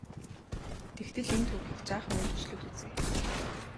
Тэгвэл энэ түүхийг жаахан өөрчлөөд үзье.